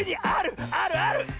あるある！